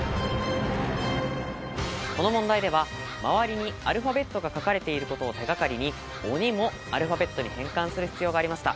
この問題では周りにアルファベットが書かれていることを手がかりに鬼もアルファベットに変換する必要がありました